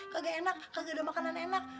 gak enak gak ada makanan enak